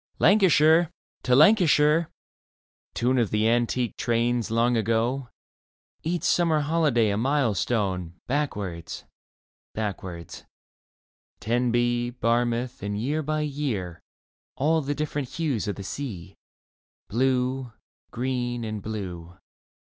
." Lancashire, to Lancashire !"— Tune of the antique trains long ago : Each summer holiday a milestone Backwards, backwards :— Tenby, Barmouth, and year by year All the different hues of the sea, Blue, green and blue.